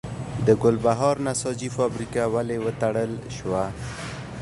د ګلبهار نساجي فابریکه ولې وتړل شوه؟